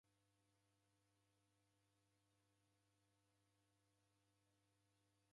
Makoto ghamu sidimagha kutumbulia.